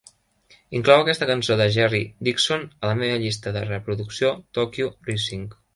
Inclou aquesta cançó de Jerry Dixon a la meva llista de reproducció Tokyo Rising.